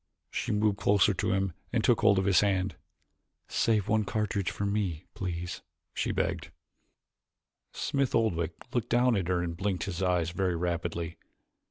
She moved closer to him and took hold of his hand. "Save one cartridge for me, please?" she begged. Smith Oldwick looked down at her and blinked his eyes very rapidly.